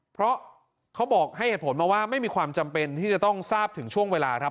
เพราะเขาบอกให้เหตุผลมาว่าไม่มีความจำเป็นที่จะต้องทราบถึงช่วงเวลาครับ